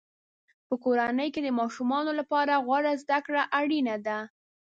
په کورنۍ کې د ماشومانو لپاره غوره زده کړه اړینه ده.